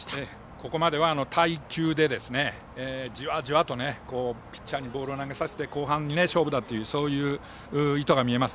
ここまでは待球でじわじわとピッチャーにボールを投げさせて後半勝負だという意図が見えます。